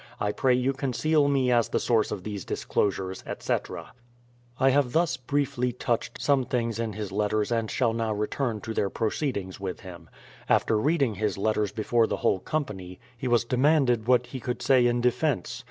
I pray you conceal me as the source of these disclosures, etc." I have thus briefly touched some things in his letters and shall now return to their proceedings with him. After read ing his letters before the whole company, he was demanded what he could say in defence.